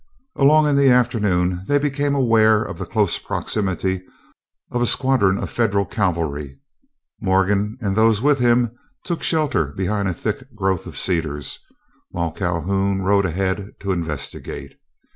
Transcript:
Along in the afternoon they became aware of the close proximity of a squadron of Federal cavalry. Morgan and those with him took shelter behind a thick growth of cedars, while Calhoun rode ahead to investigate.